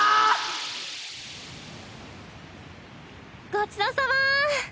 ごちそうさま！